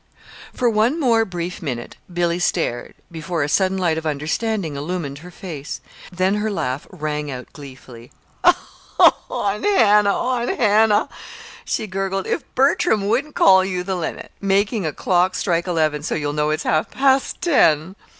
For one more brief minute Billy stared, before a sudden light of understanding illumined her face. Then her laugh rang out gleefully. "Oh, Aunt Hannah, Aunt Hannah," she gurgled. "If Bertram wouldn't call you the limit making a clock strike eleven so you'll know it's half past ten!"